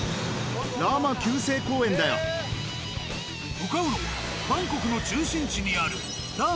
向かうのはバンコクの中心地にあるほう。